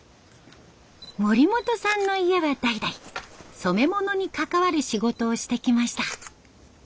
森本さんの家は代々染め物に関わる仕事をしてきました。